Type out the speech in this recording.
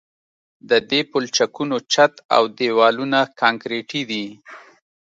د دې پلچکونو چت او دیوالونه کانکریټي دي